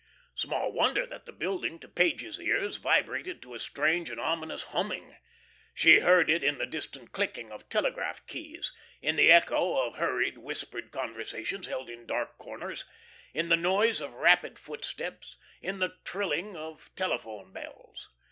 Small wonder that the building to Page's ears vibrated to a strange and ominous humming. She heard it in the distant clicking of telegraph keys, in the echo of hurried whispered conversations held in dark corners, in the noise of rapid footsteps, in the trilling of telephone bells.